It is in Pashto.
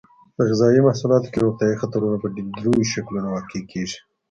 په غذایي محصولاتو کې روغتیایي خطرونه په دریو شکلونو واقع کیږي.